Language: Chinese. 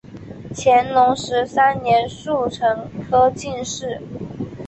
乾隆十三年戊辰科进士。